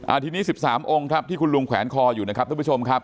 ทีนี้สิบสามองค์ครับที่คุณลุงแขวนคออยู่นะครับทุกผู้ชมครับ